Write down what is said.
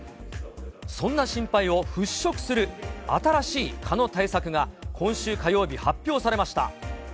そんな心配を払拭する、新しい蚊の対策が、今週火曜日、発表されました。